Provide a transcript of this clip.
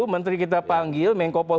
menteri kita panggil